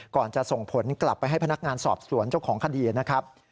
จะส่งผลกลับไปให้พนักงานสอบสวนเจ้าของคดีนะครับ